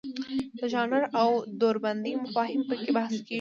د ژانر او دوربندۍ مفاهیم پکې بحث کیږي.